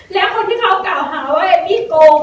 แล้วคนที่เขากล่าวหาว่าเอมมี่โกง